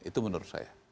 itu menurut saya